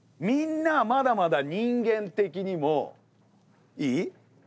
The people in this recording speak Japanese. みんなまだまだ人間的にもいい？